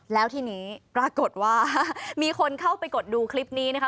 แล้วทีนี้ปรากฏว่ามีคนเข้าไปกดดูคลิปนี้นะคะ